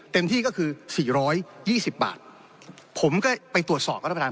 เต็มที่ก็คือสี่ร้อยยี่สิบบาทผมก็ไปตรวจสอบกับรับประทาน